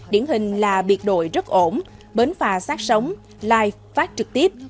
điển hình là biệt đội rất ổn bến phà sát sống live phát trực tiếp